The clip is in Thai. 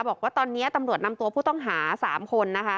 บอกว่าตอนนี้ตำรวจนำตัวผู้ต้องหา๓คนนะคะ